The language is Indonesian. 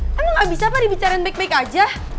emang gak bisa apa dibicarain baik baik aja